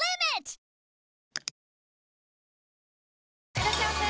いらっしゃいませ！